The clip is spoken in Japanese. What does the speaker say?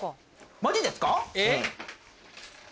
マジですか？